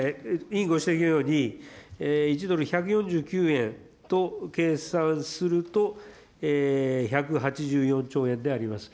委員ご指摘のように、１ドル１４９円と計算すると、１８４兆円であります。